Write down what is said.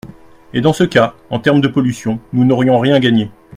Et dans ce cas, en termes de pollution, nous n’aurions rien gagné.